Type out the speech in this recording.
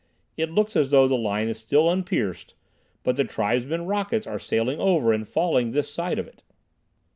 It looks as though the line is still unpierced, but the tribesmen's rockets are sailing over and falling this side of it."